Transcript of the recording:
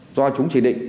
do chúng chỉ định